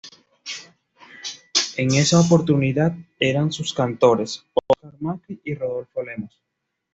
En esa oportunidad eran sus cantores: Oscar Macri y Rodolfo Lemos.